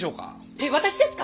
えっ私ですか？